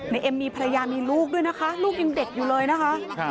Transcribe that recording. เอ็มมีภรรยามีลูกด้วยนะคะลูกยังเด็กอยู่เลยนะคะ